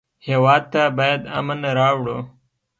هېواد ته باید امن راوړو